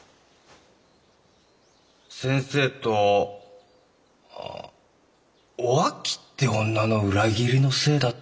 先生とおあきって女の裏切りのせいだって。